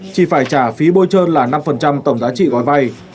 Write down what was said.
chỉ phải trả phí bôi trơn là năm tổng giá trị gói vay